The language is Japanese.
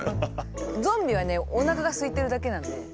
ゾンビはねおなかがすいてるだけなんで。